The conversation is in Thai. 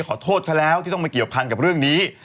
ขอโทษเขาแล้วที่ต้องมาเกี่ยวพันกับเรื่องนี้